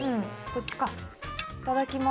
こっちか。